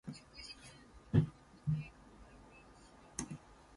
No financial details were publicly announced.